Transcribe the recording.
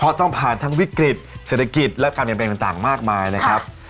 เพราะต้องผ่านทั้งวิกฤตเศรษฐกิจและการเปลี่ยนแปลงต่างมากมายนะครับ